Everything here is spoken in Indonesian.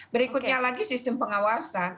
berikutnya lagi sistem pengawasan